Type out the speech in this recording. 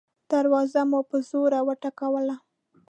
دروازه مو په زوره وټکوله.